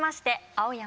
青山